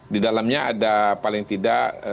di dalamnya ada paling tidak